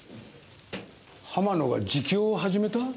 浜野が自供を始めた？